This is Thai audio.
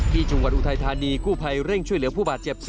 ที่จุงวันอุทัยธานีคู่ภัยเร่งช่วยเหลือผู้บาดเจ็บ